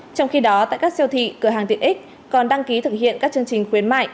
tại các siêu thị cửa hàng tiện ích còn đăng ký thực hiện các chương trình khuyến mại